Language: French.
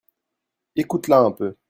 Écoute-la un peu !